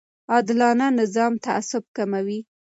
عادلانه نظام تعصب کموي